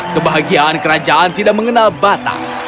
kebahagiaan kerajaan tidak mengenal batas